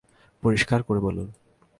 পরিষ্কার করে বলুন।